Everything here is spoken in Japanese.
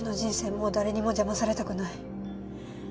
もう誰にも邪魔されたくない。